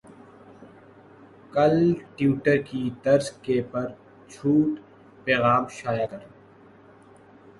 کل ٹیوٹر کی طرز کے پر چھوٹ پیغام شائع کر